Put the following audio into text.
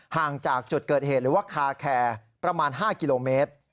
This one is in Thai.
ห่างจากจุดเกิดเหตุหรือว่าคาแคร์ประมาณ๕กิโลเมตร